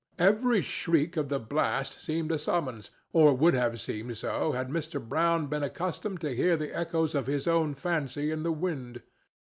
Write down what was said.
Every shriek of the blast seemed a summons, or would have seemed so had Mr. Brown been accustomed to hear the echoes of his own fancy in the wind.